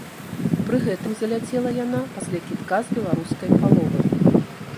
Пры гэтым заляцела яна пасля кідка з беларускай паловы!